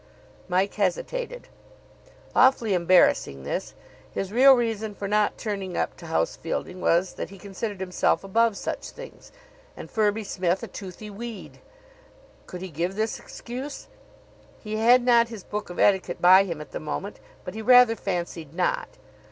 Mike hesitated. Awfully embarrassing, this. His real reason for not turning up to house fielding was that he considered himself above such things, and Firby Smith a toothy weed. Could he give this excuse? He had not his Book of Etiquette by him at the moment, but he rather fancied not.